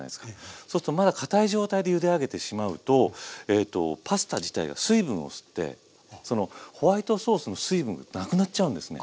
そうするとまだかたい状態でゆで上げてしまうとパスタ自体が水分を吸ってそのホワイトソースの水分がなくなっちゃうんですね。